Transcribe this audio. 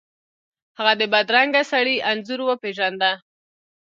هغه د بدرنګه سړي انځور وپیژنده.